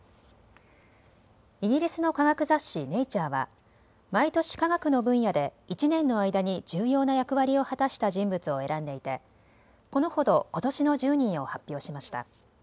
イギリスの科学雑誌、ネイチャーは毎年、科学の分野で１年の間に重要な役割を果たした人物を選んでいてこのほど、ことしの１０人を発表しました。